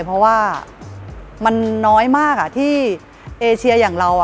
เพราะว่ามันน้อยมากที่เอเชียอย่างเรา